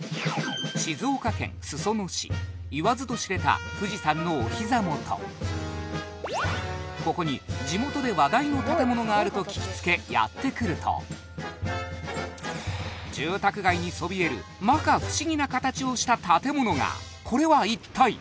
言わずと知れた富士山のお膝元ここに地元で話題の建物があると聞きつけやって来ると住宅街にそびえる摩訶不思議な形をした建物がこれは一体？